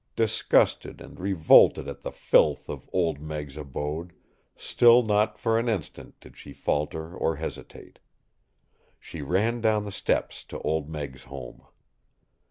Disgusted and revolted at the filth of Old Meg's abode, still not for an instant did she falter or hesitate. She ran down the steps to Old Meg's home.